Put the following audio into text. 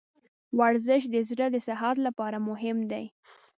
ورزش د زړه د صحت لپاره مهم دی.